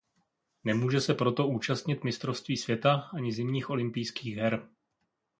Nemůže se proto účastnit mistrovství světa ani zimních olympijských her.